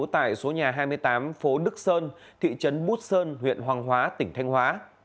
tại số nhà hai mươi tám phố đức sơn thị trấn bút sơn huyện hoàng hóa tỉnh thanh hóa